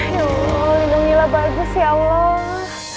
ya allah lindungi lah bagus ya allah